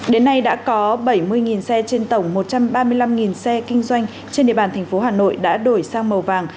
đến nay đã có bảy mươi xe trên tổng một trăm ba mươi năm xe kinh doanh trên địa bàn thành phố hà nội đã đổi sang màu vàng